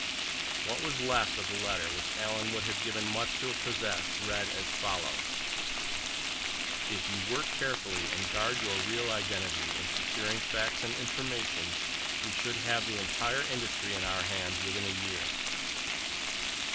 What was left of the letter which Alan would have given much to have possessed, read as follows: "_—If you work carefully and guard your real identity in securing facts and information, we should have the entire industry in our hands within a year_."